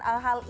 masih jadi pr